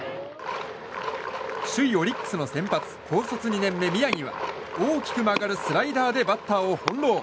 首位オリックスの先発高速２年目の宮城は大きく曲がるスライダーでバッターを翻ろう。